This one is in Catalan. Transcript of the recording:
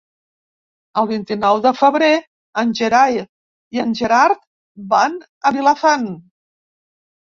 El vint-i-nou de febrer en Gerai i en Gerard van a Vilafant.